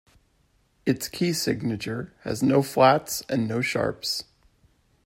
Its key signature has no flats and no sharps.